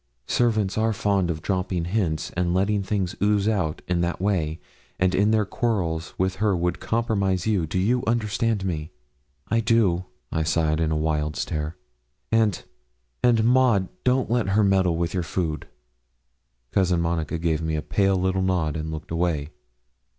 Servants are fond of dropping hints, and letting things ooze out in that way, and in their quarrels with her would compromise you you understand me?' 'I do,' I sighed, with a wild stare. 'And and, Maud, don't let her meddle with your food.' Cousin Monica gave me a pale little nod, and looked away.